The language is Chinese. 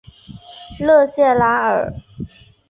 勒谢拉尔。